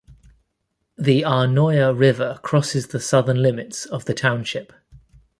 The Arnoia river crosses the southern limits of the township.